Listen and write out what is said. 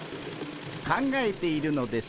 考えているのです。